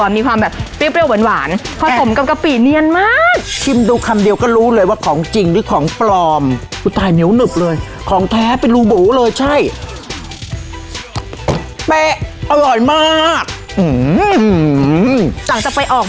จาก๒๐ปีที่แล้วชิคกี้พายเจอกัน